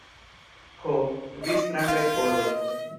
Ho, vi strangaj Poloj!